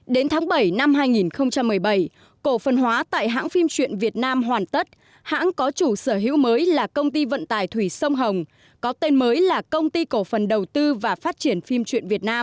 đến tháng bảy năm hai nghìn một mươi bảy cổ phần hóa tại hãng phim truyện việt nam hoàn tất hãng có chủ sở hữu mới là công ty vận tải thủy sông hồng có tên mới là công ty cổ phần đầu tư và phát triển phim truyện việt nam